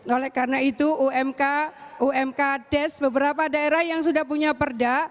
oleh karena itu umk umk des beberapa daerah yang sudah punya perda